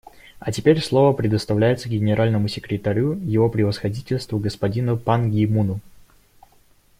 А теперь слово предоставляется Генеральному секретарю Его Превосходительству господину Пан Ги Муну.